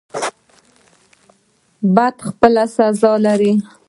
بدی خپل سزا لري